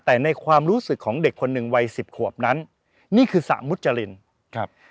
แต่ในความรู้สึกของเด็กคนหนึ่งวัยสิบขวบนั้นนี่คือสระมุจรินครับ